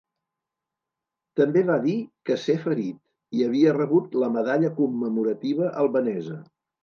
També va dir que ser ferit i havia rebut la Medalla commemorativa albanesa.